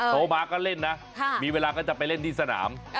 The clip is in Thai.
โทรมาก็เล่นนะมีเวลาก็จะไปเล่นที่สนาม